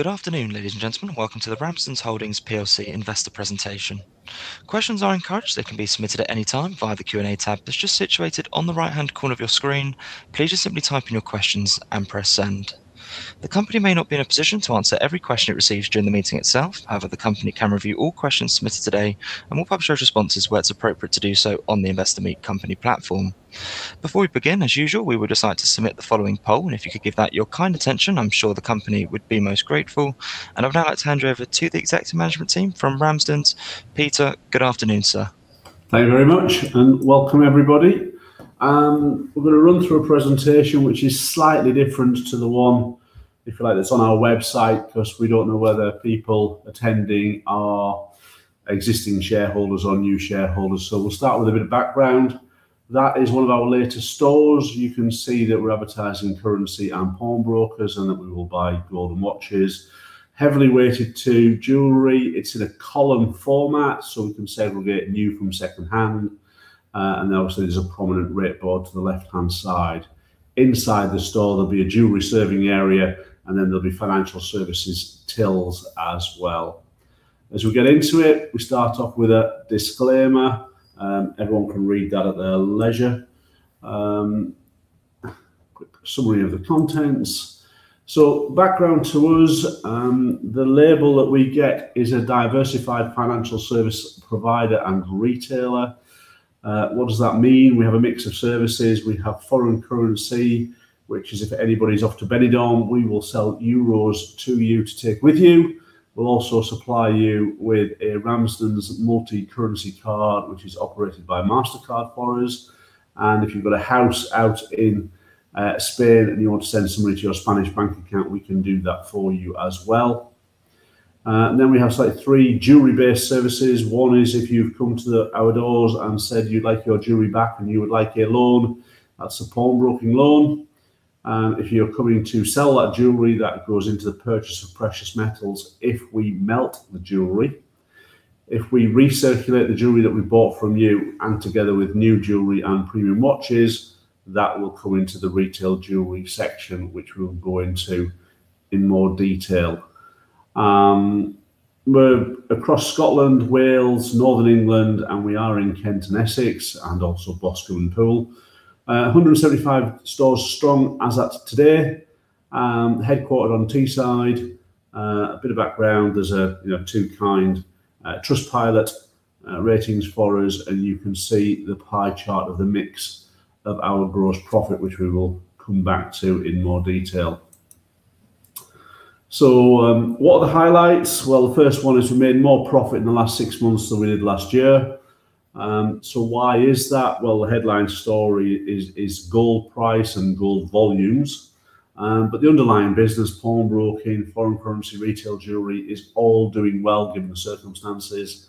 Good afternoon, ladies and gentlemen. Welcome to the Ramsdens Holdings PLC investor presentation. Questions are encouraged. They can be submitted at any time via the Q&A tab that's just situated on the right-hand corner of your screen. Please just simply type in your questions and press send. The company may not be in a position to answer every question it receives during the meeting itself. However, the company can review all questions submitted today, and we'll publish our responses where it's appropriate to do so on the Investor Meet Company platform. Before we begin, as usual, we would like to submit the following poll, and if you could give that your kind attention, I'm sure the company would be most grateful. And I'd now like to hand you over to the executive management team from Ramsdens. Peter, good afternoon, sir. Thank you very much. Welcome everybody. We're going to run through a presentation which is slightly different to the one, if you like, that's on our website because we don't know whether people attending are existing shareholders or new shareholders. We'll start with a bit of background. That is one of our latest stores. You can see that we're advertising currency and pawnbrokers, and that we will buy gold and watches. Heavily weighted to jewelry. It's in a column format, so we can segregate new from secondhand. Then obviously, there's a prominent rate board to the left-hand side. Inside the store, there'll be a jewelry serving area, and then there'll be financial services tills as well. As we get into it, we start off with a disclaimer. Everyone can read that at their leisure. Quick summary of the contents. Background to us. The label that we get is a diversified financial service provider and retailer. What does that mean? We have a mix of services. We have foreign currency, which is if anybody's off to Benidorm, we will sell euros to you to take with you. We'll also supply you with a Ramsdens Multi Currency Card, which is operated by Mastercard for us. If you've got a house out in Spain and you want to send some money to your Spanish bank account, we can do that for you as well. We have three jewelry-based services. One is if you've come to our doors and said you'd like your jewelry back and you would like a loan, that's a pawnbroking loan. If you're coming to sell that jewelry, that goes into the purchase of precious metals if we melt the jewelry. If we recirculate the jewelry that we bought from you and together with new jewelry and premium watches, that will come into the retail jewelry section, which we will go into in more detail. We are across Scotland, Wales, northern England, and we are in Kent and Essex, and also Glasgow and Poole. 175 stores strong as at today. Headquartered on Teesside. A bit of background, there is two Trustpilot ratings for us, and you can see the pie chart of the mix of our gross profit, which we will come back to in more detail. What are the highlights? Well, the first one is we made more profit in the last six months than we did last year. Why is that? Well, the headline story is gold price and gold volumes. The underlying business, pawnbroking, foreign currency, retail jewelry, is all doing well given the circumstances.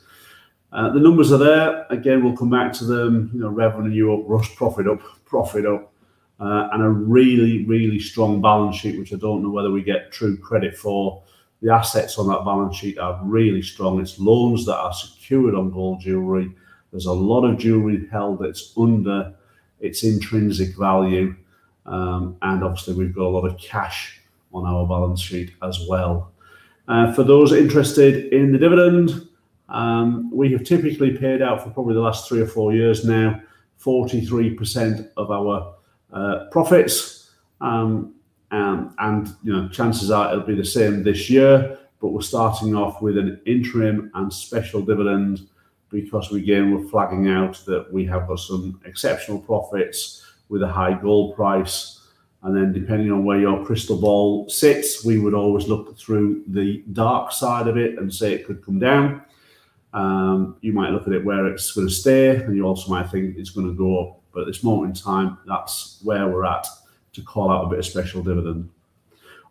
The numbers are there. Again, we'll come back to them. Revenue up, gross profit up, profit up. A really, really strong balance sheet, which I don't know whether we get true credit for. The assets on that balance sheet are really strong. It's loans that are secured on gold jewelry. There's a lot of jewelry held that's under its intrinsic value. Obviously, we've got a lot of cash on our balance sheet as well. For those interested in the dividend, we have typically paid out for probably the last three or four years now, 43% of our profits. Chances are it'll be the same this year, but we're starting off with an interim and special dividend because again, we're flagging out that we have some exceptional profits with a high gold price. Depending on where your crystal ball sits, we would always look through the dark side of it and say it could come down. You might look at it where it's going to stay. You also might think it's going to go up. At this moment in time, that's where we're at to call out a bit of special dividend.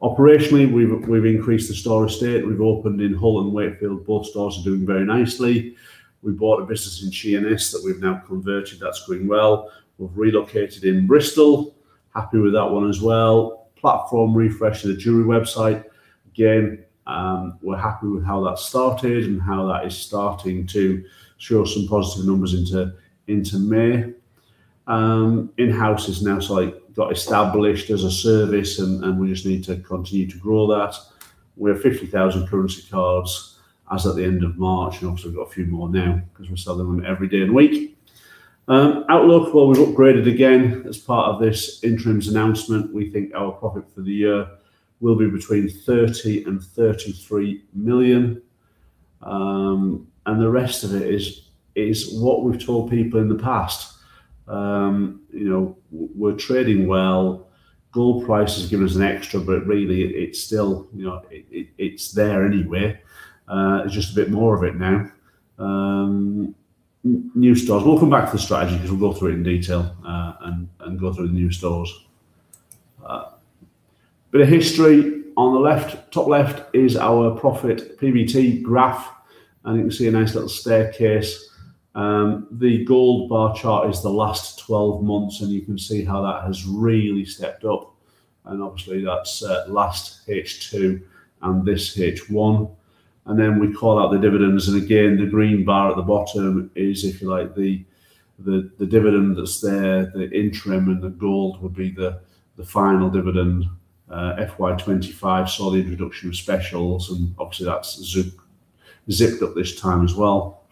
Operationally, we've increased the store estate. We've opened in Hull and Wakefield. Both stores are doing very nicely. We bought a business in Sheerness that we've now converted. That's going well. We've relocated in Bristol. Happy with that one as well. Platform refresh of the jewelry website. Again, we're happy with how that's started and how that is starting to show some positive numbers into May. In-house has now got established as a service, and we just need to continue to grow that. We have 50,000 currency cards as at the end of March, and obviously, we've got a few more now because we're selling them every day of the week. Outlook, we've upgraded again as part of this interims announcement. We think our profit for the year will be between 30 million and 33 million. The rest of it is what we've told people in the past. We're trading well. Gold price has given us an extra, really it's there anyway. There's just a bit more of it now. New stores. We'll come back to the strategy because we'll go through it in detail, and go through the new stores. Bit of history. On the top left is our profit PBT graph, and you can see a nice little staircase. The gold bar chart is the last 12 months, and you can see how that has really stepped up, and obviously, that's last H2 and this H1. Then we call out the dividends. Again, the green bar at the bottom is, if you like, the dividend that's there, the interim, and the gold would be the final dividend. FY 2025 saw the introduction of specials, and obviously that's zipped up this time as well.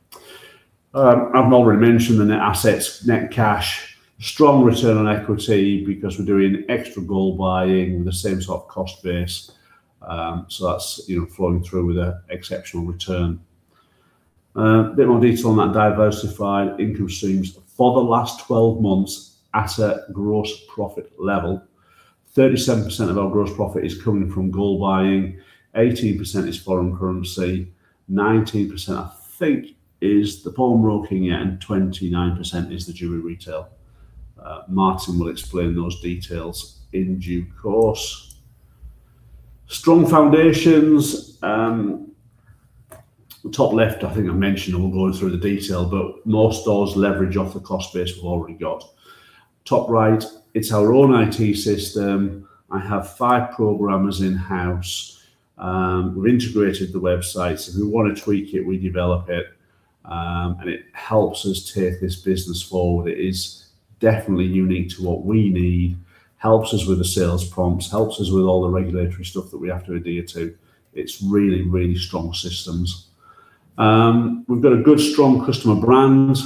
I've already mentioned the net assets, net cash, strong return on equity because we're doing extra gold buying with the same sort of cost base. That's flowing through with a exceptional return. A bit more detail on that diversified income streams. For the last 12 months, asset gross profit level, 37% of our gross profit is coming from gold buying, 18% is foreign currency, 19%, I think, is the pawnbroking end, 29% is the jewelry retail. Martin will explain those details in due course. Strong foundations. Top left, I think I mentioned, and we'll go through the detail, but more stores leverage off the cost base we've already got. Top right, it's our own IT system. I have five programmers in-house. We've integrated the website. If we want to tweak it, we develop it, and it helps us take this business forward. It is definitely unique to what we need, helps us with the sales prompts, helps us with all the regulatory stuff that we have to adhere to. It's really, really strong systems. We've got a good, strong customer brand.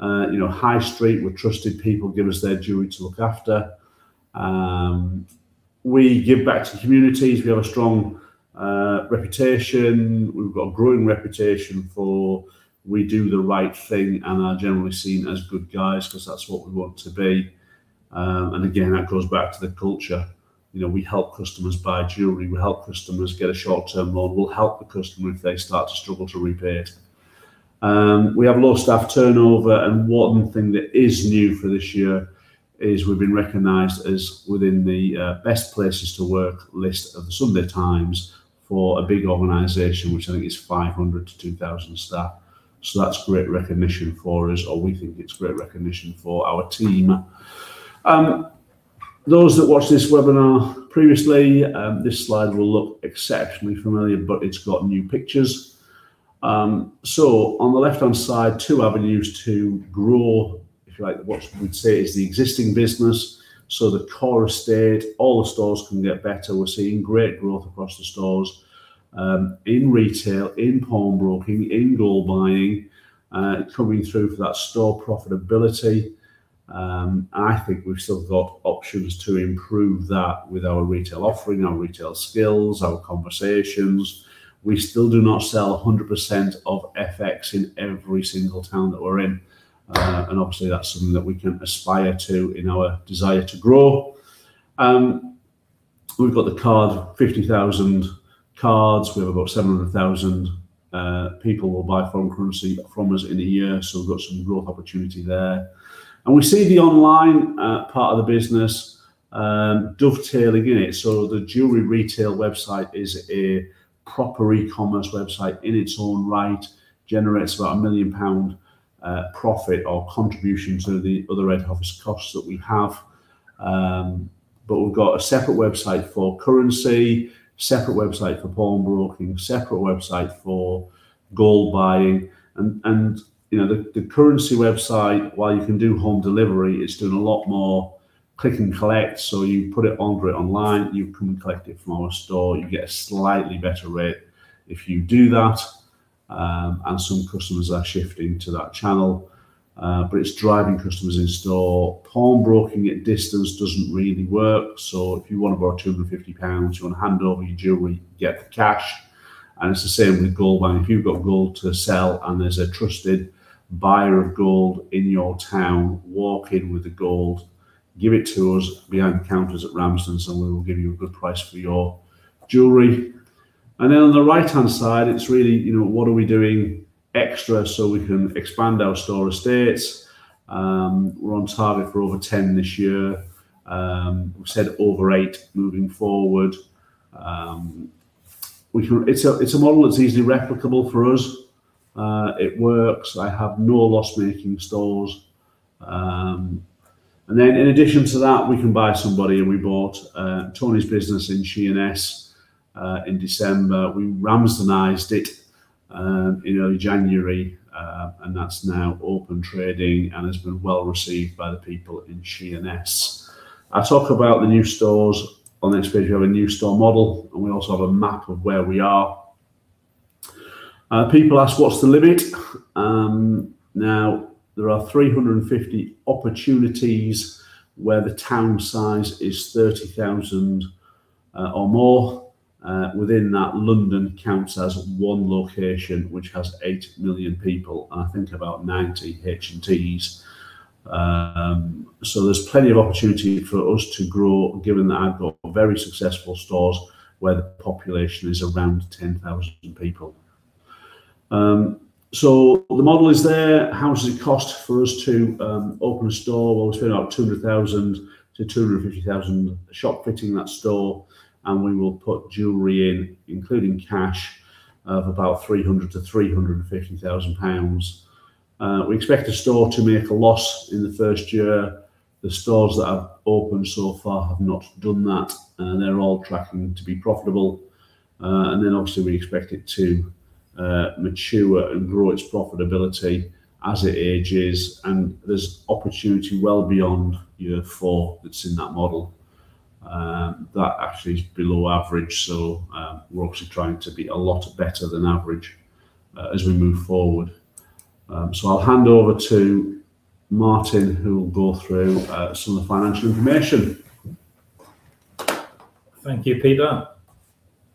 High Street, we're trusted people give us their jewelry to look after. We give back to the communities. We have a strong reputation. We've got a growing reputation for we do the right thing and are generally seen as good guys because that's what we want to be. Again, that goes back to the culture. We help customers buy jewelry, we help customers get a short-term loan, we'll help the customer if they start to struggle to repay us. We have low staff turnover, and one thing that is new for this year is we've been recognized as within the Best Places to Work list of The Sunday Times for a big organization, which I think is 500-2,000 staff. That's great recognition for us, or we think it's great recognition for our team. Those that watched this webinar previously, this slide will look exceptionally familiar, but it's got new pictures. On the left hand side, two avenues to grow, if you like, what we'd say is the existing business. The core estate, all the stores can get better. We're seeing great growth across the stores, in retail, in pawnbroking, in gold buying, coming through for that store profitability. I think we've still got options to improve that with our retail offering, our retail skills, our conversations. We still do not sell 100% of FX in every single town that we're in. Obviously, that's something that we can aspire to in our desire to grow. We've got the card, 50,000 cards. We have about 700,000 people will buy foreign currency from us in a year. We've got some growth opportunity there. We see the online part of the business dovetailing in it. The jewelry retail website is a proper e-commerce website in its own right, generates about 1 million pound profit or contribution to the other head office costs that we have. We've got a separate website for currency, separate website for pawnbroking, separate website for gold buying. The currency website, while you can do home delivery, is doing a lot more click and collect. You put it on online, you come and collect it from our store. You get a slightly better rate if you do that, and some customers are shifting to that channel. It's driving customers in store. Pawnbroking at distance doesn't really work. If you want to borrow 250 pounds, you want to hand over your jewelry, get the cash. It's the same with gold buying. If you've got gold to sell and there is a trusted buyer of gold in your town, walk in with the gold, give it to us behind the counters at Ramsdens and we will give you a good price for your jewelry. On the right-hand side, it is really what are we doing extra so we can expand our store estates. We are on target for over 10 this year. We have said over eight moving forward. It is a model that is easily replicable for us. It works. I have no loss-making stores. In addition to that, we can buy somebody, and we bought Tony's business in Sheerness in December. We Ramsdenized it in early January, and that is now open trading and has been well received by the people in Sheerness. I talk about the new stores on the next page. We have a new store model and we also have a map of where we are. People ask, what's the limit? There are 350 opportunities where the town size is 30,000 or more. Within that, London counts as one location which has 8 million people and I think about 90 H&Ts. There's plenty of opportunity for us to grow given that I've got very successful stores where the population is around 10,000 people. The model is there. How much does it cost for us to open a store? We spend about 200,000-250,000 shop fitting that store, and we will put jewelry in, including cash, of about 300,000-350,000 pounds. We expect a store to make a loss in the first year. The stores that have opened so far have not done that, and they're all tracking to be profitable. Then obviously we expect it to mature and grow its profitability as it ages, and there's opportunity well beyond year four that's in that model. That actually is below average, so we're obviously trying to be a lot better than average as we move forward. I'll hand over to Martin, who will go through some of the financial information. Thank you, Peter.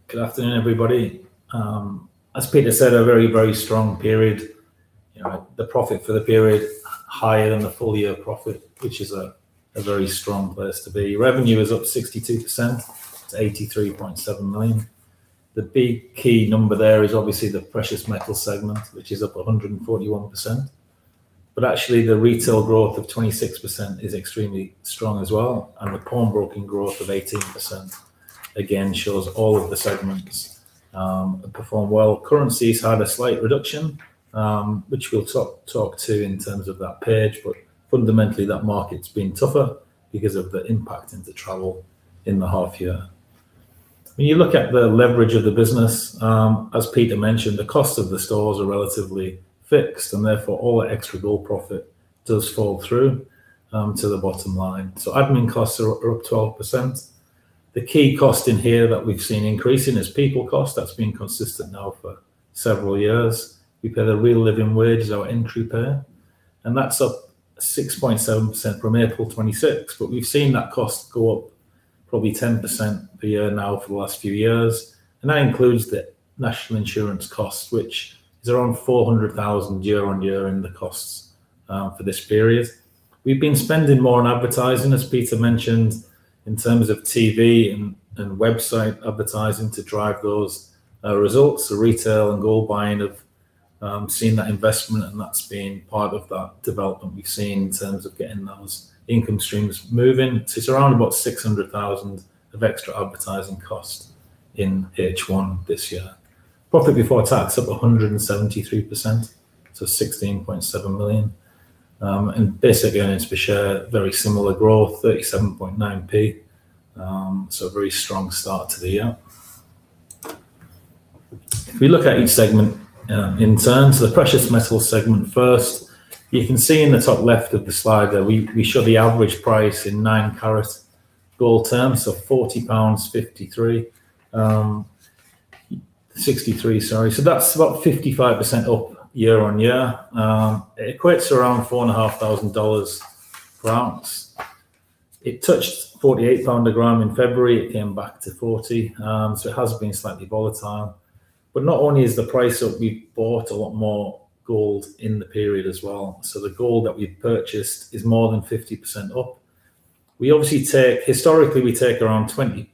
Good afternoon, everybody. As Peter said, a very, very strong period. The profit for the period higher than the full year profit, which is a very strong place to be. Revenue is up 62% to 83.7 million. The big key number there is obviously the precious metal segment, which is up 141%, but actually the retail growth of 26% is extremely strong as well. The pawnbroking growth of 18%, again, shows all of the segments, performed well. Currencies had a slight reduction, which we'll talk to in terms of that page, but fundamentally that market's been tougher because of the impact into travel in the half year. When you look at the leverage of the business, as Peter mentioned, the cost of the stores are relatively fixed and therefore all the extra gold profit does fall through to the bottom line. Admin costs are up 12%. The key cost in here that we've seen increasing is people cost. That's been consistent now for several years. We pay the Real Living Wage as our entry pay, that's up 6.7% from April 2026. We've seen that cost go up probably 10% a year now for the last few years. That includes the national insurance cost, which is around 400,000 year-on-year in the costs for this period. We've been spending more on advertising, as Peter mentioned, in terms of TV and website advertising to drive those results. The retail and gold buying have seen that investment and that's been part of that development we've seen in terms of getting those income streams moving. It's around about 600,000 of extra advertising cost in H1 this year. Profit before tax up 173%, 16.7 million. Basic earnings per share, very similar growth, 0.379, a very strong start to the year. If we look at each segment in turn. The precious metal segment first. You can see in the top left of the slide there, we show the average price in nine carat gold terms, 40.53 pounds. 63, sorry. That's about 55% up year-on-year. It equates around $4,500 per ounce. It touched 48 pound a gram in February, it came back to 40, it has been slightly volatile. Not only is the price up, we've bought a lot more gold in the period as well. The gold that we've purchased is more than 50% up. Historically, we take around 20%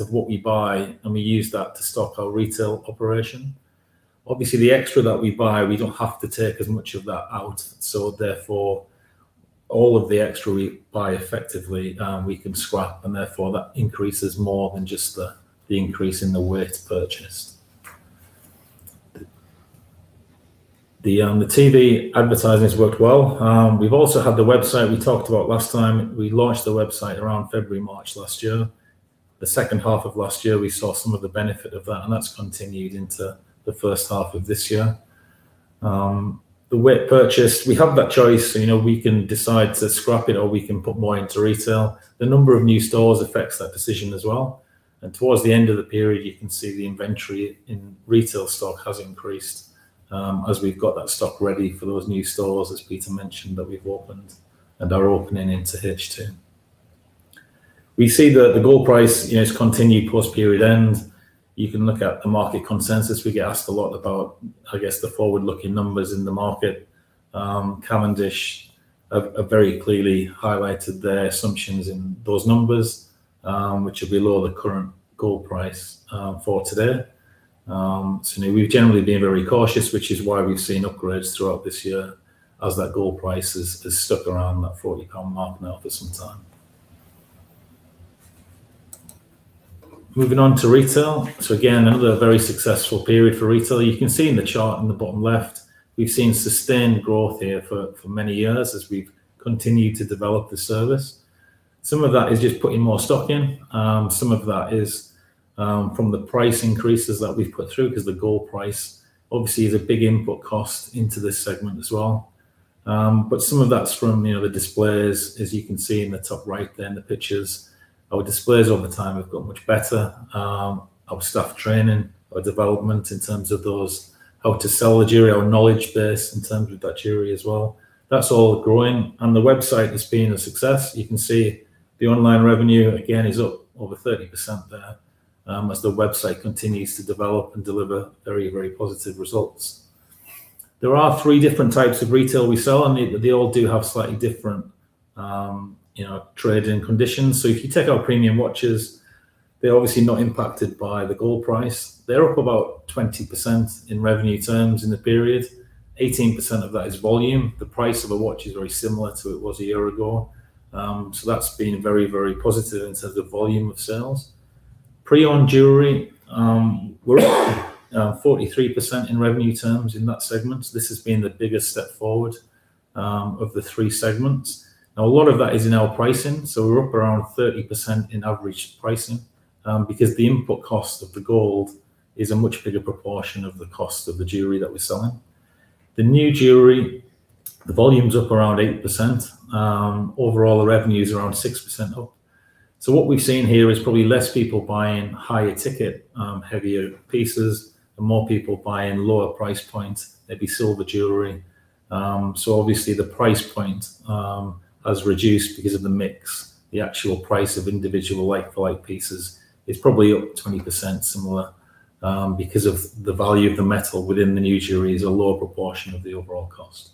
of what we buy and we use that to stock our retail operation. Obviously, the extra that we buy, we don't have to take as much of that out, so therefore all of the extra we buy effectively, we can scrap and therefore that increases more than just the increase in the weight purchase. The TV advertising has worked well. We've also had the website we talked about last time. We launched the website around February, March last year. The second half of last year we saw some of the benefit of that and that's continued into the first half of this year. The weight purchased, we have that choice, we can decide to scrap it or we can put more into retail. The number of new stores affects that decision as well, and towards the end of the period you can see the inventory in retail stock has increased, as we've got that stock ready for those new stores, as Peter mentioned, that we've opened and are opening into H2. We see that the gold price has continued post period end. You can look at the market consensus. We get asked a lot about, I guess, the forward-looking numbers in the market. Cavendish have very clearly highlighted their assumptions in those numbers, which are below the current gold price for today. We've generally been very cautious, which is why we've seen upgrades throughout this year as that gold price has stuck around that 40 pound mark now for some time. Moving on to retail. Again, another very successful period for retail. You can see in the chart in the bottom left, we've seen sustained growth here for many years as we've continued to develop the service. Some of that is just putting more stock in, some of that is from the price increases that we've put through because the gold price obviously is a big input cost into this segment as well. Some of that's from the displays as you can see in the top right there in the pictures. Our displays over time have got much better. Our staff training, our development in terms of those how to sell the jewelry, our knowledge base in terms of that jewelry as well. That's all growing and the website has been a success. You can see the online revenue again is up over 30% there, as the website continues to develop and deliver very, very positive results. There are three different types of retail we sell and they all do have slightly different trading conditions. If you take our premium watches, they're obviously not impacted by the gold price. They're up about 20% in revenue terms in the period. 18% of that is volume. The price of a watch is very similar to it was a year ago. That's been very positive in terms of volume of sales. Pre-owned jewelry, we're up 43% in revenue terms in that segment. This has been the biggest step forward of the three segments. Now a lot of that is in our pricing. We're up around 30% in average pricing because the input cost of the gold is a much bigger proportion of the cost of the jewelry that we're selling. The new jewelry, the volume's up around 8%. Overall, the revenue's around 6% up. What we've seen here is probably less people buying higher ticket, heavier pieces and more people buying lower price points, maybe silver jewelry. Obviously the price point has reduced because of the mix. The actual price of individual like-for-like pieces is probably up 20%, similar because of the value of the metal within the new jewelry is a lower proportion of the overall cost.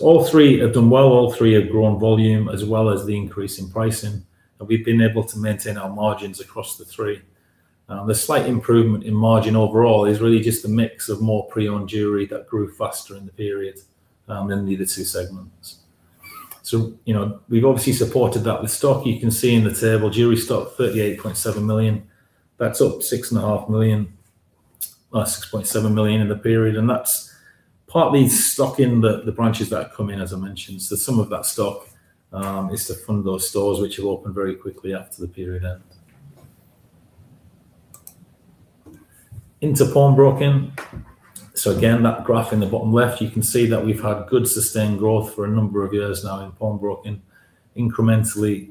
All three have done well. All three have grown volume as well as the increase in pricing, and we've been able to maintain our margins across the three. The slight improvement in margin overall is really just the mix of more pre-owned jewelry that grew faster in the period than the other two segments. We've obviously supported that with stock. You can see in the table, jewelry stock 38.7 million. That's up 6.5 million, well 6.7 million in the period and that's partly stock in the branches that have come in, as I mentioned. Some of that stock is to fund those stores which will open very quickly after the period end. Into pawnbroking. Again, that graph in the bottom left, you can see that we've had good sustained growth for a number of years now in pawnbroking, incrementally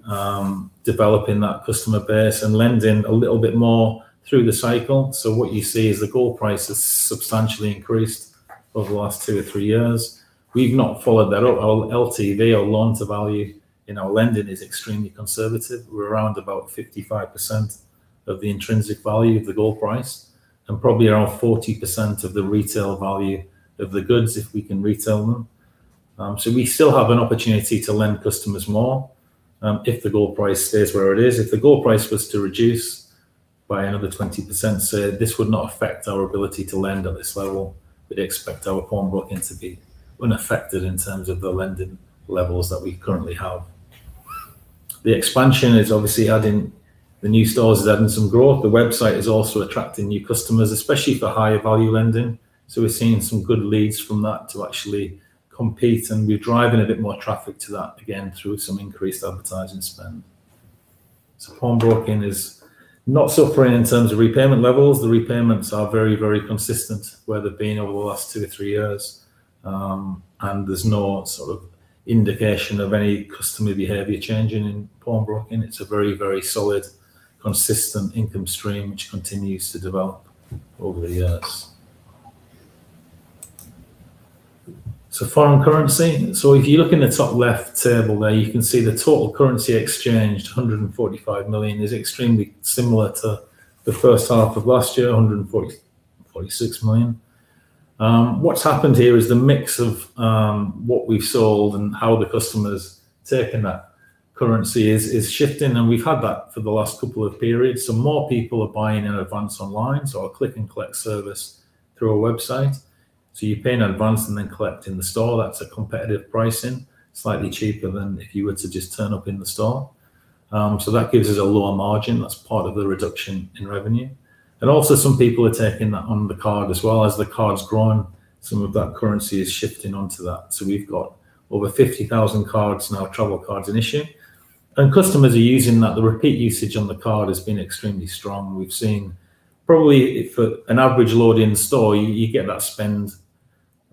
developing that customer base and lending a little bit more through the cycle. What you see is the gold price has substantially increased over the last two or three years. We've not followed that up. Our LTV or loan-to-value in our lending is extremely conservative. We're around about 55% of the intrinsic value of the gold price and probably around 40% of the retail value of the goods if we can retail them. We still have an opportunity to lend customers more if the gold price stays where it is. If the gold price was to reduce by another 20%, say, this would not affect our ability to lend at this level. We'd expect our pawnbroking to be unaffected in terms of the lending levels that we currently have. The expansion is obviously adding the new stores is adding some growth. The website is also attracting new customers, especially for higher value lending. We're seeing some good leads from that to actually compete, and we're driving a bit more traffic to that again through some increased advertising spend. Pawnbroking is not suffering in terms of repayment levels. The repayments are very consistent where they've been over the last two to three years. There's no sort of indication of any customer behavior changing in pawnbroking. It's a very solid, consistent income stream, which continues to develop over the years. Foreign currency. If you look in the top left table there, you can see the total currency exchanged, 145 million, is extremely similar to the first half of last year, 146 million. What's happened here is the mix of what we've sold and how the customer's taken that currency is shifting and we've had that for the last couple of periods. More people are buying in advance online, so our click and collect service through our website. You pay in advance and then collect in the store. That's a competitive pricing, slightly cheaper than if you were to just turn up in the store. That gives us a lower margin. That's part of the reduction in revenue. Also some people are taking that on the card as well. As the card's grown, some of that currency is shifting onto that. We've got over 50,000 cards now, travel cards in issue. Customers are using that. The repeat usage on the card has been extremely strong. We've seen probably for an average load in store, you get that spend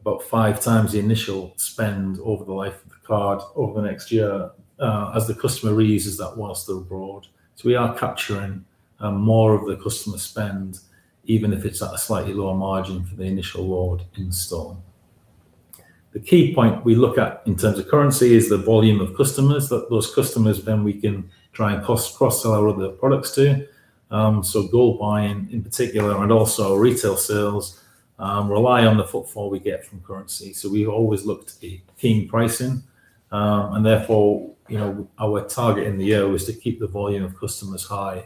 about 5x the initial spend over the life of the card over the next year as the customer reuses that while they're abroad. We are capturing more of the customer spend, even if it's at a slightly lower margin for the initial load in store. The key point we look at in terms of currency is the volume of customers, that those customers then we can try and cross sell our other products to. Gold buying in particular and also retail sales rely on the footfall we get from currency. We always look to be keen pricing. Therefore, our target in the year was to keep the volume of customers high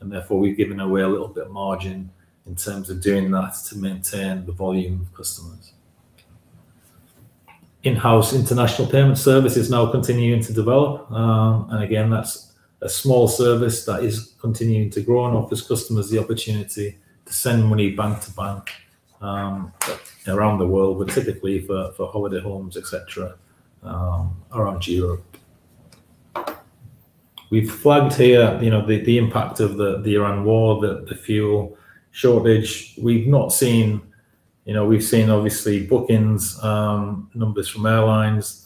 and therefore we've given away a little bit of margin in terms of doing that to maintain the volume of customers. In-house international payment service is now continuing to develop. Again, that's a small service that is continuing to grow and offers customers the opportunity to send money bank to bank around the world, but typically for holiday homes, et cetera, around Europe. We've flagged here the impact of the Iran war, the fuel shortage. We've seen obviously bookings, numbers from airlines.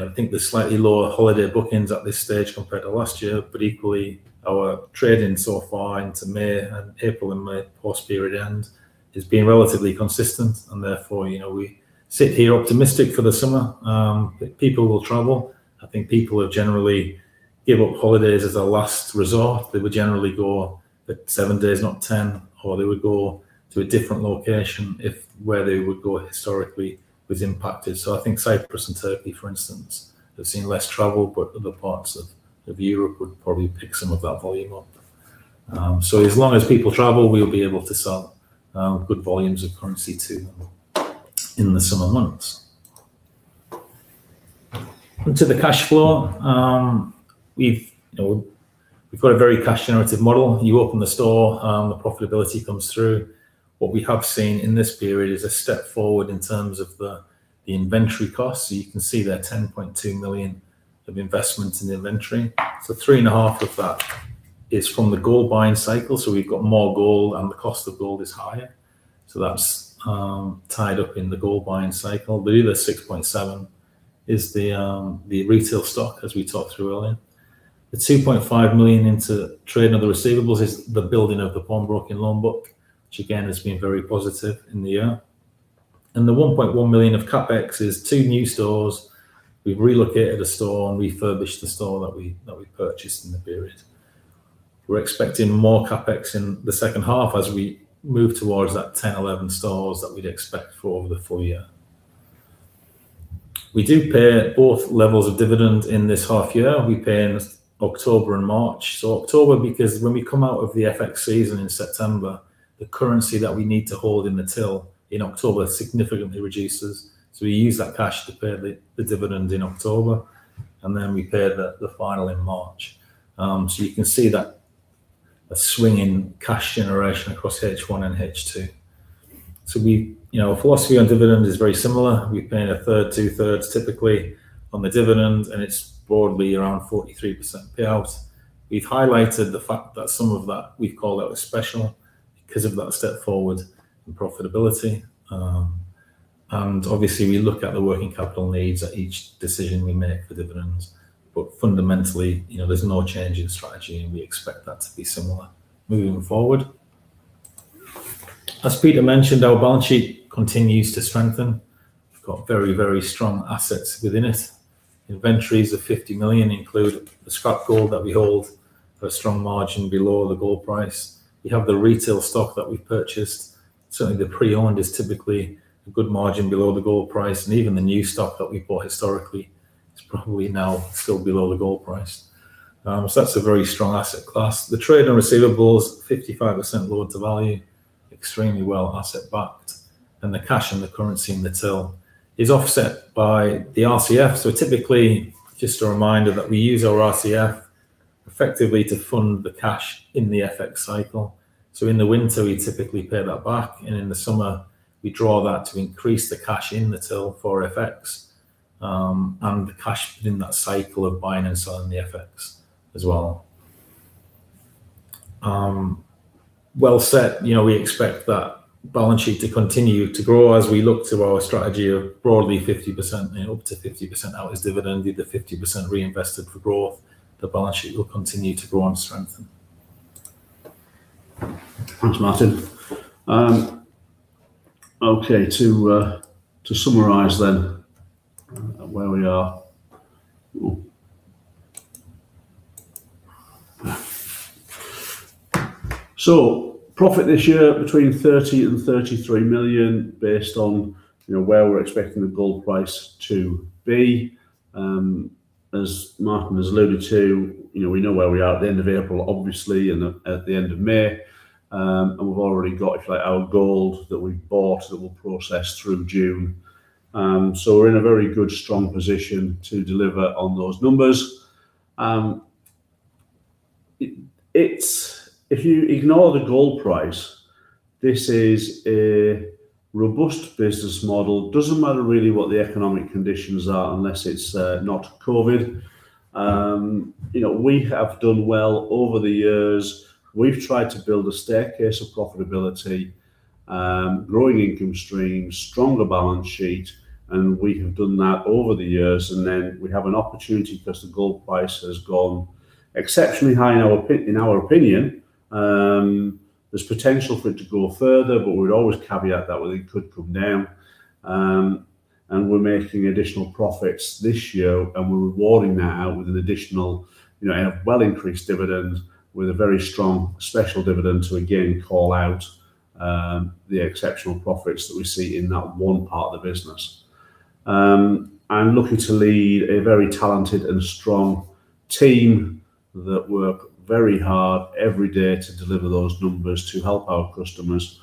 I think there's slightly lower holiday bookings at this stage compared to last year. Equally, our trading so far into April and May, post period end, has been relatively consistent and therefore, we sit here optimistic for the summer that people will travel. I think people have generally give up holidays as a last resort. They would generally go seven days, not 10 days, or they would go to a different location if where they would go historically was impacted. I think Cyprus and Turkey, for instance, have seen less travel. Other parts of Europe would probably pick some of that volume up. As long as people travel, we'll be able to sell good volumes of currency too in the summer months. On to the cash flow. We've got a very cash generative model. You open the store, the profitability comes through. What we have seen in this period is a step forward in terms of the inventory cost. You can see there, 10.2 million of investment in the inventory. 3.5 million of that is from the gold buying cycle. We've got more gold and the cost of gold is higher. That's tied up in the gold buying cycle. The other 6.7 million is the retail stock as we talked through earlier. The 2.5 million into trade and other receivables is the building of the pawnbroking loan book, which again, has been very positive in the year. The 1.1 million of CapEx is two new stores. We've relocated a store and refurbished the store that we purchased in the period. We're expecting more CapEx in the second half as we move towards that 10, 11 stores that we'd expect for over the full year. We do pay both levels of dividend in this half year. We pay in October and March. October, because when we come out of the FX season in September, the currency that we need to hold in the till in October significantly reduces. We use that cash to pay the dividend in October, we pay the final in March. You can see that swinging cash generation across H1 and H2. Our philosophy on dividends is very similar. We pay in a third, 2/3, typically on the dividends, and it's broadly around 43% payouts. We've highlighted the fact that some of that, we call that a special because of that step forward in profitability. Obviously, we look at the working capital needs at each decision we make for dividends. Fundamentally, there's no change in strategy and we expect that to be similar moving forward. As Peter mentioned, our balance sheet continues to strengthen. We've got very, very strong assets within it. Inventories of 50 million include the scrap gold that we hold for a strong margin below the gold price. We have the retail stock that we purchased. Certainly, the pre-owned is typically a good margin below the gold price, and even the new stock that we bought historically is probably now still below the gold price. That's a very strong asset class. The trade and receivables, 55% loan-to-value, extremely well asset backed. The cash and the currency in the till is offset by the RTF. Typically, just a reminder that we use our RTF effectively to fund the cash in the FX cycle. In the winter, we typically pay that back, and in the summer, we draw that to increase the cash in the till for FX, and the cash in that cycle of buying and selling the FX as well. Well set. We expect that balance sheet to continue to grow as we look to our strategy of broadly 50%, up to 50% out as dividend, the other 50% reinvested for growth. The balance sheet will continue to grow and strengthen. Thanks, Martin. To summarize then where we are. Profit this year between 30 million and 33 million based on where we're expecting the gold price to be. As Martin has alluded to, we know where we are at the end of April, obviously, and at the end of May. We've already got our gold that we've bought that will process through June. We're in a very good, strong position to deliver on those numbers. If you ignore the gold price, this is a robust business model. Doesn't matter really what the economic conditions are, unless it's not COVID. We have done well over the years. We've tried to build a staircase of profitability, growing income streams, stronger balance sheet, and we have done that over the years. Then we have an opportunity because the gold price has gone exceptionally high in our opinion. There's potential for it to go further, but we'd always caveat that where it could come down. We're making additional profits this year, and we're rewarding that out with an additional well increased dividend with a very strong special dividend to again call out the exceptional profits that we see in that one part of the business. I'm lucky to lead a very talented and strong team that work very hard every day to deliver those numbers to help our customers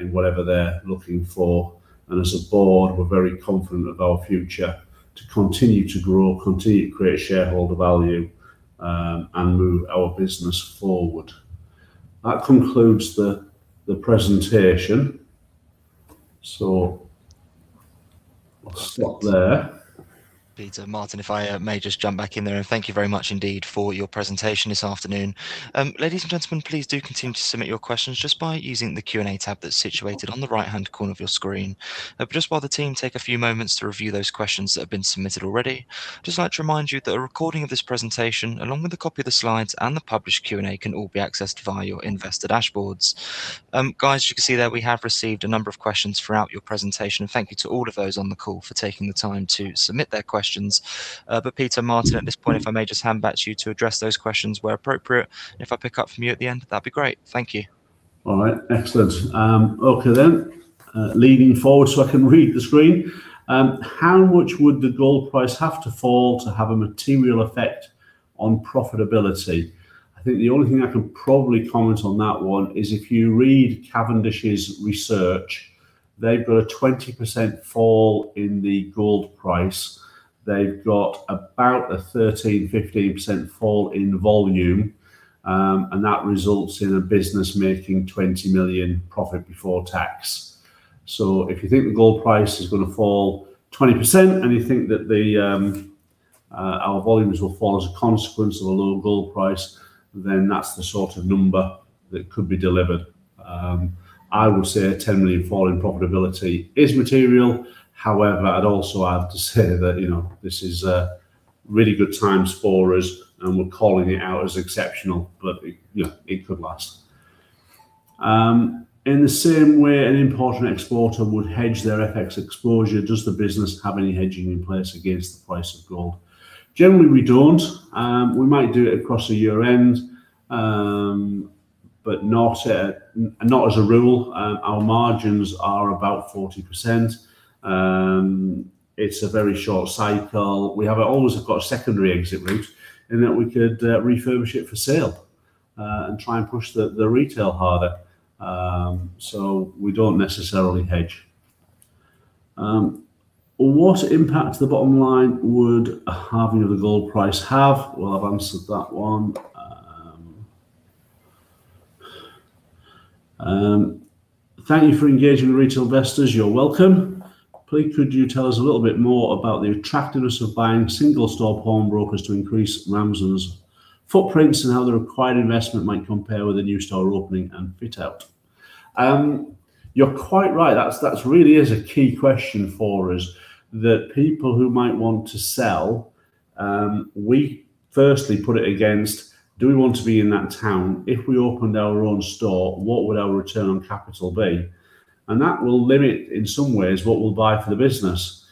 in whatever they're looking for. As a board, we're very confident of our future to continue to grow, continue to create shareholder value, and move our business forward. That concludes the presentation. I'll stop there. Peter, Martin, if I may just jump back in there. Thank you very much indeed for your presentation this afternoon. Ladies and gentlemen, please do continue to submit your questions just by using the Q&A tab that's situated on the right-hand corner of your screen. Just while the team take a few moments to review those questions that have been submitted already, just like to remind you that a recording of this presentation, along with a copy of the slides and the published Q&A, can all be accessed via your investor dashboards. Guys, you can see there we have received a number of questions throughout your presentation. Thank you to all of those on the call for taking the time to submit their questions. Peter, Martin, at this point, if I may just hand back to you to address those questions where appropriate, and if I pick up from you at the end, that'd be great. Thank you. All right. Excellent. Okay, then. Leaning forward so I can read the screen. How much would the gold price have to fall to have a material effect on profitability? I think the only thing I can probably comment on that one is if you read Cavendish's research. They've got a 20% fall in the gold price. They've got about a 13%-15% fall in volume, and that results in a business making 20 million profit before tax. If you think the gold price is going to fall 20% and you think that our volumes will fall as a consequence of a lower gold price, then that's the sort of number that could be delivered. I would say a 10 million fall in profitability is material. However, I'd also have to say that this is really good times for us, and we're calling it out as exceptional, but it could last. In the same way an importer and exporter would hedge their FX exposure, does the business have any hedging in place against the price of gold? Generally, we don't. We might do it across a year-end, but not as a rule. Our margins are about 40%. It's a very short cycle. We always have got a secondary exit route in that we could refurbish it for sale and try and push the retail harder. We don't necessarily hedge. What impact to the bottom line would a halving of the gold price have? Well, I've answered that one. Thank you for engaging with retail investors. You're welcome. Please could you tell us a little bit more about the attractiveness of buying single-store pawnbrokers to increase Ramsdens' footprints and how the required investment might compare with a new store opening and fit out? You're quite right. That really is a key question for us that people who might want to sell, we firstly put it against do we want to be in that town? If we opened our own store, what would our return on capital be? That will limit, in some ways, what we'll buy for the business.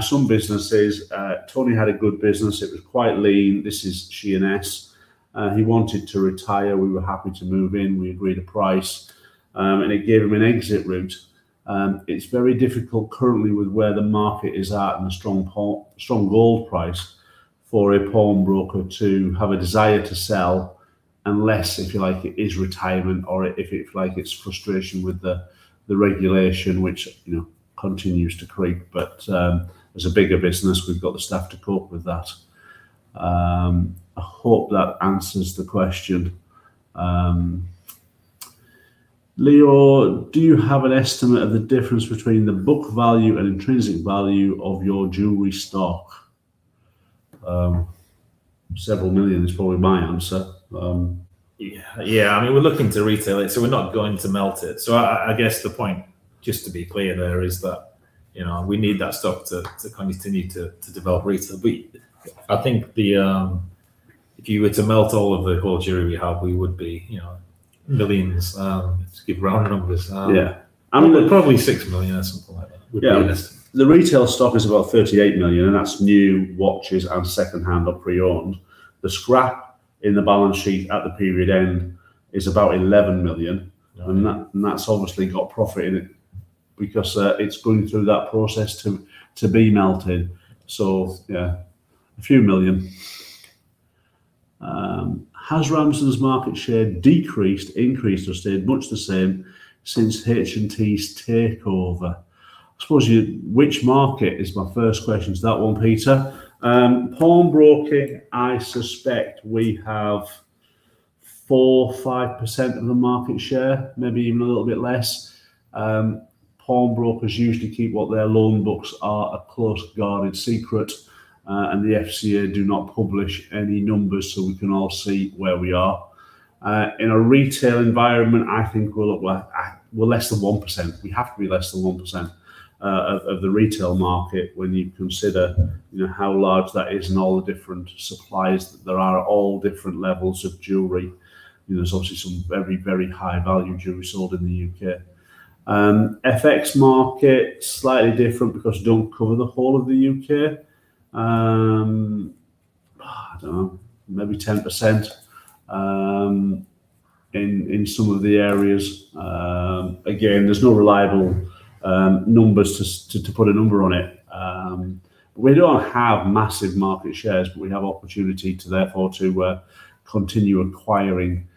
Some businesses, Tony had a good business. It was quite lean. This is G&S. He wanted to retire. We were happy to move in. We agreed a price, and it gave him an exit route. It's very difficult currently with where the market is at and the strong gold price for a pawnbroker to have a desire to sell unless, if you like, it is retirement or if it's frustration with the regulation, which continues to creep. As a bigger business, we've got the staff to cope with that. I hope that answers the question. Leo, do you have an estimate of the difference between the book value and intrinsic value of your jewelry stock? Several million is probably my answer. Yeah, we're looking to retail it, so we're not going to melt it. I guess the point, just to be clear there, is that we need that stock to continue to develop retail. I think if you were to melt all of the gold jewelry we have, we would be millions, to give round numbers. Yeah. Probably 6 million or something like that would be honest. The retail stock is about 38 million, and that's new watches and secondhand or pre-owned. The scrap in the balance sheet at the period end is about 11 million, and that's obviously got profit in it because it's been through that process to be melted. Yeah, a few million. Has Ramsdens' market share decreased, increased, or stayed much the same since H&T's takeover? I suppose which market is my first question to that one, Peter. Pawnbroking, I suspect we have 4%-5% of the market share, maybe even a little bit less. Pawnbrokers usually keep what their loan books are a close-guarded secret, and the FCA do not publish any numbers, so we can all see where we are. In a retail environment, I think we're less than 1%. We have to be less than 1% of the retail market when you consider how large that is and all the different suppliers that there are at all different levels of jewelry. There's obviously some very high-value jewelry sold in the U.K. FX market, slightly different because you don't cover the whole of the U.K. I don't know, maybe 10% in some of the areas. Again, there's no reliable numbers to put a number on it. We don't have massive market shares, but we have opportunity therefore to continue acquiring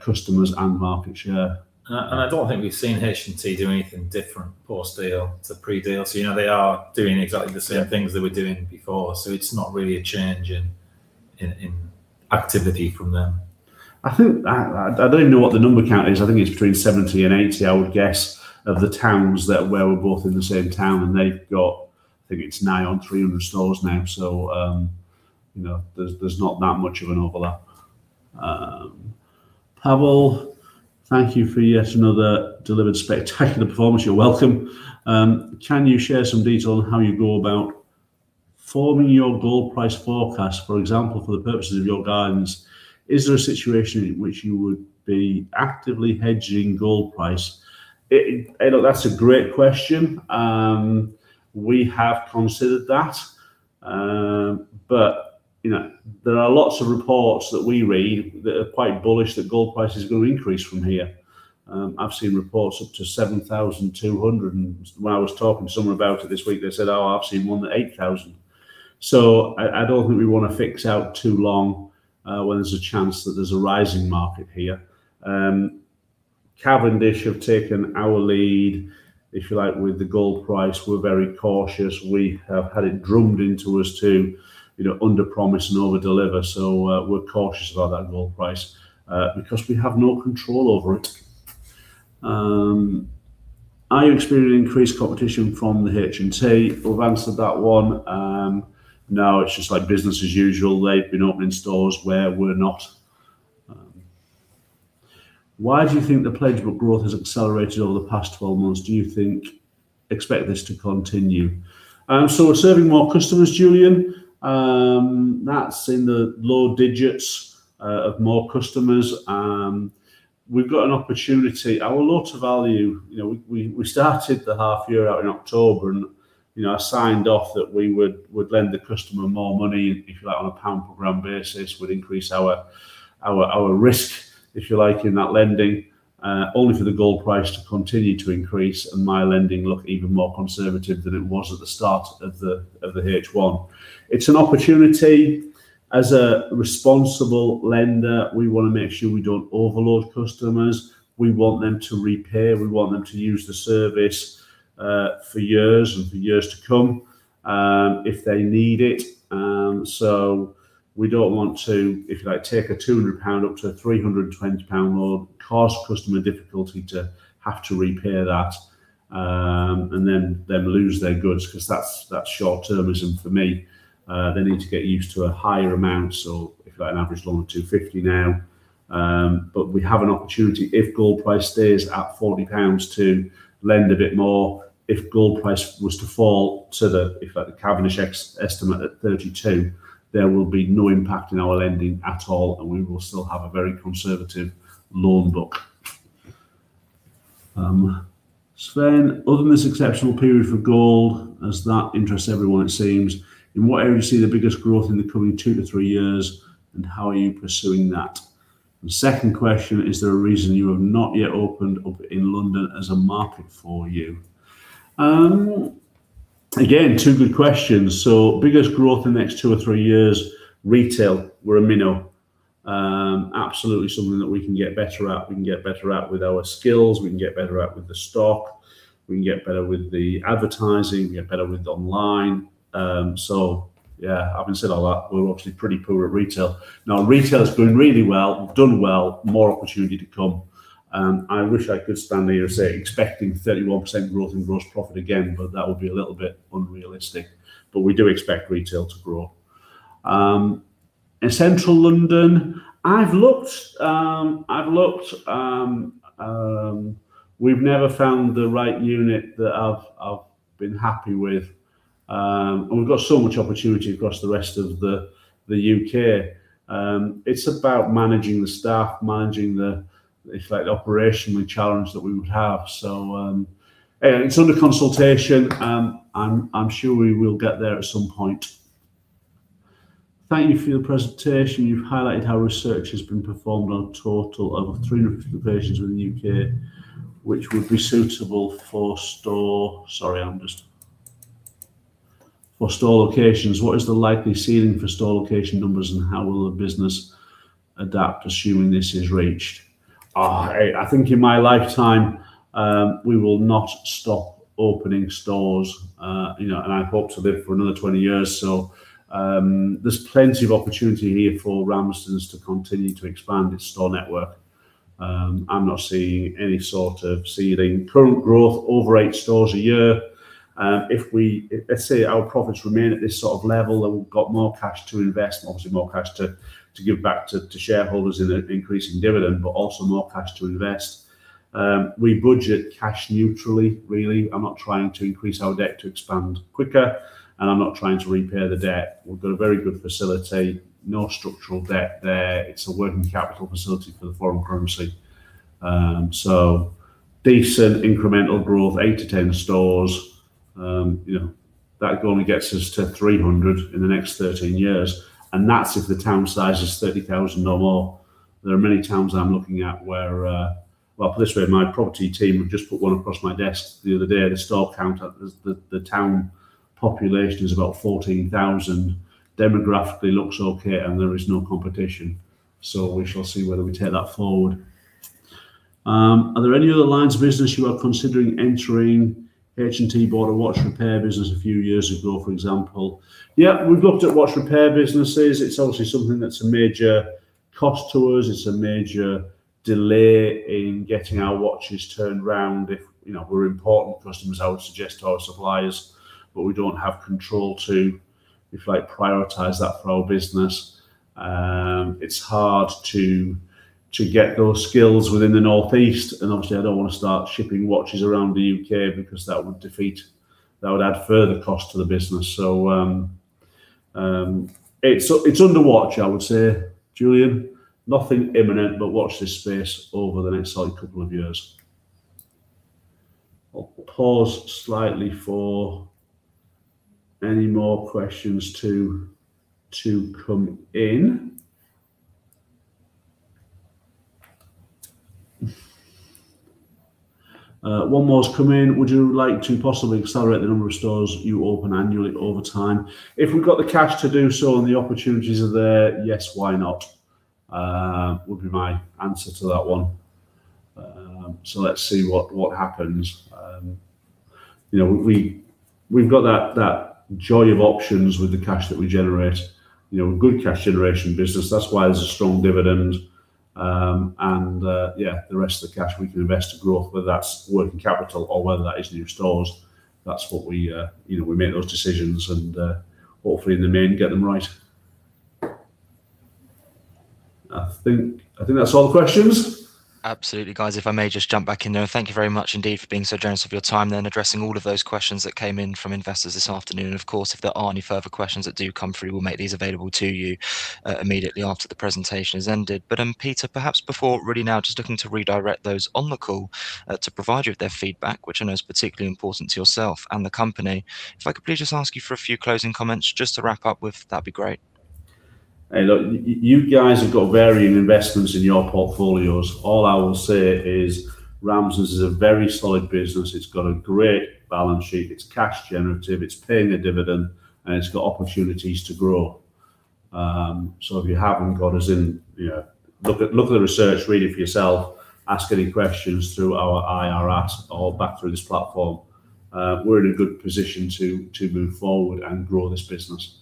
customers and market share. I don't think we've seen H&T do anything different post-deal to pre-deal. They are doing exactly the same things they were doing before. It's not really a change in activity from them. I don't even know what the number count is. I think it's between 70 and 80, I would guess, of the towns that where we're both in the same town, and they've got I think it's now on 300 stores now, so there's not that much of an overlap. Pavel, thank you for yet another delivered spectacular performance. You're welcome. Can you share some detail on how you go about forming your gold price forecast, for example, for the purposes of your guidance? Is there a situation in which you would be actively hedging gold price? That's a great question. We have considered that, but there are lots of reports that we read that are quite bullish that gold price is going to increase from here. I've seen reports up to 7,200 and when I was talking to someone about it this week, they said, "Oh, I've seen one at 8,000." I don't think we want to fix out too long when there's a chance that there's a rising market here. Cavendish have taken our lead, if you like, with the gold price. We're very cautious. We have had it drummed into us to underpromise and overdeliver. We're cautious about that gold price because we have no control over it. Are you experiencing increased competition from the H&T? We've answered that one. No, it's just like business as usual. They've been opening stores where we're not. Why do you think the pledge book growth has accelerated over the past 12 months? Do you expect this to continue? We're serving more customers, Julian. That's in the low digits of more customers. We've got an opportunity. Our loan-to-value, we started the half year out in October. I signed off that we would lend the customer more money, if you like, on a pound per gram basis, would increase our risk, if you like, in that lending, only for the gold price to continue to increase and my lending look even more conservative than it was at the start of the H1. It's an opportunity. As a responsible lender, we want to make sure we don't overload customers. We want them to repay, we want them to use the service for years and for years to come if they need it. We don't want to, if you like, take a 200 pound up to 320 pound loan, cause the customer difficulty to have to repay that and then them lose their goods because that's short-termism for me. They need to get used to a higher amount. If you like, an average loan of 250 now. We have an opportunity if gold price stays at 40 pounds to lend a bit more. If gold price was to fall to the Cavendish estimate at 32, there will be no impact in our lending at all and we will still have a very conservative loan book. Sven, other than this exceptional period for gold as that interests everyone, it seems, in what area do you see the biggest growth in the coming two to three years, and how are you pursuing that? Second question, is there a reason you have not yet opened up in London as a market for you? Again, tricky good questions. Biggest growth in the next two or three years, retail. We're a minnow. Absolutely something that we can get better at. We can get better at with our skills, we can get better at with the stock, we can get better with the advertising, we can get better with online. Yeah, having said all that, we're obviously pretty poor at retail. Retail is doing really well. We've done well, more opportunity to come. I wish I could stand here and say, expecting 31% growth in gross profit again. That would be a little bit unrealistic. We do expect retail to grow. In Central London, I've looked. We've never found the right unit that I've been happy with. We've got so much opportunity across the rest of the U.K. It's about managing the staff, managing the operational challenge that we would have. Yeah, it's under consultation. I'm sure we will get there at some point. Thank you for your presentation. You've highlighted how research has been performed on a total of over 350 locations within the U.K., which would be suitable For store locations, what is the likely ceiling for store location numbers, and how will the business adapt assuming this is reached? I think in my lifetime we will not stop opening stores, and I hope to live for another 20 years. So there's plenty of opportunity here for Ramsdens to continue to expand its store network. I'm not seeing any sort of ceiling. Current growth over eight stores a year. If, let's say, our profits remain at this sort of level, then we've got more cash to invest, and obviously more cash to give back to shareholders in an increasing dividend, but also more cash to invest. We budget cash neutrally, really. I'm not trying to increase our debt to expand quicker, and I'm not trying to repay the debt. We've got a very good facility, no structural debt there. It's a working capital facility for the foreign currency. Decent incremental growth, 8-10 stores. That only gets us to 300 in the next 13 years, and that's if the town size is 30,000 people or more. There are many towns I'm looking at where Well, put it this way, my property team have just put one across my desk the other day. The store counter, the town population is about 14,000. Demographically looks okay and there is no competition. We shall see whether we take that forward. Are there any other lines of business you are considering entering? H&T bought a watch repair business a few years ago, for example. Yeah, we've looked at watch repair businesses. It's obviously something that's a major cost to us. It's a major delay in getting our watches turned around. If we were important customers, I would suggest to our suppliers, but we don't have control to, if you like, prioritize that for our business. It's hard to get those skills within the northeast. Obviously I don't want to start shipping watches around the U.K. because that would add further cost to the business. It's under watch, I would say, Julian. Nothing imminent but watch this space over the next couple of years. I'll pause slightly for any more questions to come in. One more has come in. Would you like to possibly accelerate the number of stores you open annually over time? If we've got the cash to do so and the opportunities are there, yes, why not? Would be my answer to that one. Let's see what happens. We've got that joy of options with the cash that we generate, good cash generation business. That's why there's a strong dividend. The rest of the cash we can invest to growth, whether that's working capital or whether that is new stores. That's what we make those decisions and, hopefully in the main, get them right. I think that's all the questions. Absolutely. Guys, if I may just jump back in there. Thank you very much indeed for being so generous with your time then, addressing all of those questions that came in from investors this afternoon. Of course, if there are any further questions that do come through, we'll make these available to you immediately after the presentation has ended. Peter, perhaps before, really now, just looking to redirect those on the call to provide you with their feedback, which I know is particularly important to yourself and the company. If I could please just ask you for a few closing comments just to wrap up with, that'd be great. Hey, look, you guys have got varying investments in your portfolios. All I will say is Ramsdens is a very solid business. It's got a great balance sheet, it's cash generative, it's paying a dividend, and it's got opportunities to grow. If you haven't got us in, look at the research, read it for yourself, ask any questions through our IR app or back through this platform. We're in a good position to move forward and grow this business.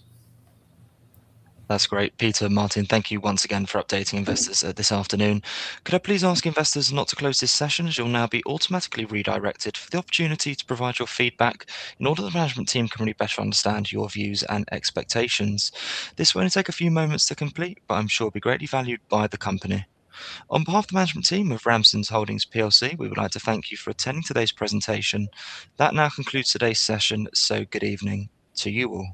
That's great. Peter, Martin, thank you once again for updating investors this afternoon. Could I please ask investors not to close this session, as you'll now be automatically redirected for the opportunity to provide your feedback in order the management team can really better understand your views and expectations. This will only take a few moments to complete, but I'm sure will be greatly valued by the company. On behalf of the management team of Ramsdens Holdings PLC, we would like to thank you for attending today's presentation. That now concludes today's session, so good evening to you all.